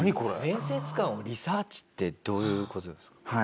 面接官をリサーチってどういう事ですか？